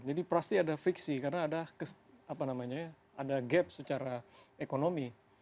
jadi pasti ada friksi karena ada gap secara ekonomi